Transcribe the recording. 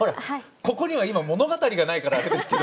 ここには今物語がないからあれですけど。